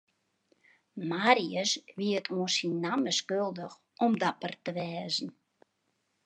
Marius wie it oan syn namme skuldich om dapper te wêze.